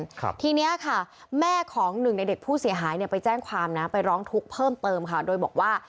ทีเนี้ยค่ะแม่ของหนึ่งในเด็กผู้เสียหายเนี่ยไปแจ้งความนะไปร้องทุกข์เพิ่มเติมค่ะโดยบอกว่า